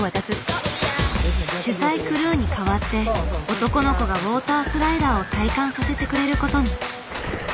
取材クルーに代わって男の子がウォータースライダーを体感させてくれることに。